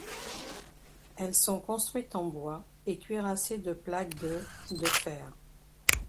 Elles sont construites en bois et cuirassés de plaques de de fer.